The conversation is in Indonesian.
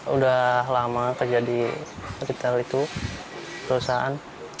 udah lama kerja di retail itu perusahaan